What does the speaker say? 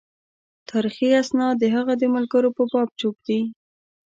تاریخي اسناد د هغه د ملګرو په باب چوپ دي.